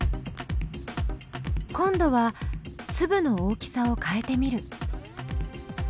今度は粒の大きさを変えてみる。